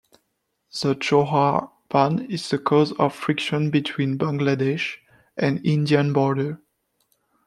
The Joarar Ban is the cause of friction between Bangladesh and Indian border.